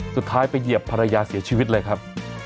สุดท้ายไปเหยียบภรรยาเสียชีวิตเลยครับ